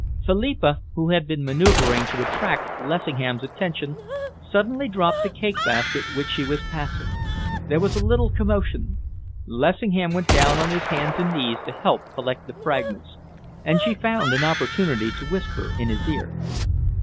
Philippa, who had been maneuvering to attract Lessingham's attention, suddenly dropped the cake basket which she was passing. There was a little commotion. Lessingham went down on his hands and knees to help collect the fragments, and she found an opportunity to whisper in his ear.